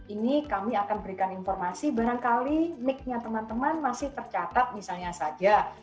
ini kami akan berikan informasi barangkali nick nya teman teman masih tercatat misalnya saja